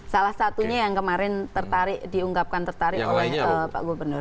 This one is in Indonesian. salah satunya yang kemarin tertarik diungkapkan tertarik oleh pak gubernur